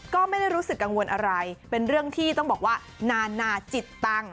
ก็ไม่ได้รู้สึกกังวลอะไรเป็นเรื่องที่ต้องบอกว่านานาจิตตังค์